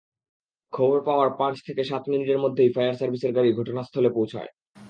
খবর পাওয়ার পাঁচ থেকে সাত মিনিটের মধ্যেই ফায়ার সার্ভিসের গাড়ি ঘটনাস্থলে পৌঁছায়।